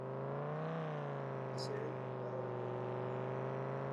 Es sede del condado de Columbus.